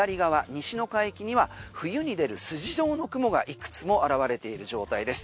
西の海域には冬に出る筋状の雲がいくつも現れている状態です。